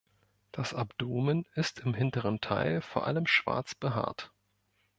Das Abdomen ist im hinteren Teil vor allem schwarz behaart.